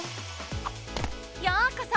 ようこそ！